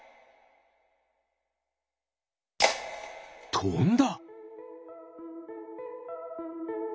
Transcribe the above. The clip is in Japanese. とんだ。